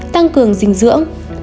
tăng cường dinh dưỡng